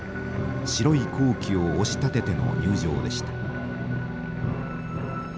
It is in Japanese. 白い校旗を押し立てての入場でした。